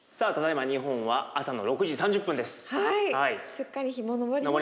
すっかり日も昇りましたね。